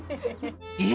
え⁉